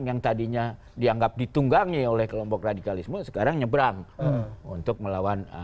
yang tadinya dianggap ditunggangi oleh kelompok radikalisme sekarang nyebrang untuk melawan